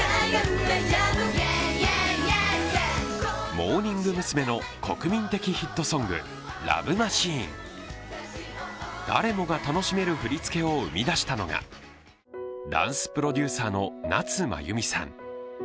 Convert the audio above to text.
モーニング娘の国民的ヒットソング「ＬＯＶＥマシーン」、誰もが楽しめる振り付けを生み出したのが、ダンスプロデューサーの夏まゆみさん。